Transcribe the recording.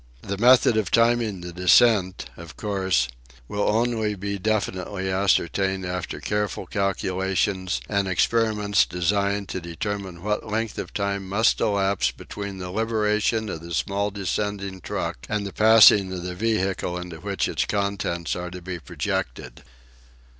The method of timing the descent, of course, will only be definitely ascertained after careful calculation and experiments designed to determine what length of time must elapse between the liberation of the small descending truck and the passing of the vehicle into which its contents are to be projected.